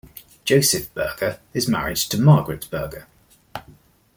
Joseph Berger is married to Margeret Berger.